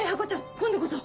今度こそ。